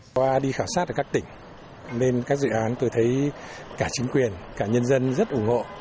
qua đi khảo sát ở các tỉnh nên các dự án tôi thấy cả chính quyền cả nhân dân rất ủng hộ